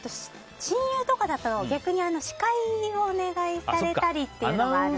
親友とかだと逆に司会をお願いされたりというのがあるので。